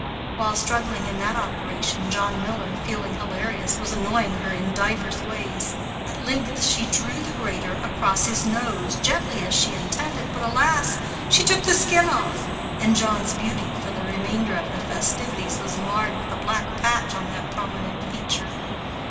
While struggling in that operation, John Miller, feeling hilarious, was annoying her in divers ways; at length she drew the grater across his nose, gently, as she intended, but alas! she took the skin off, and John's beauty, for the remainder of the festivities, was marred with a black patch on that prominent feature.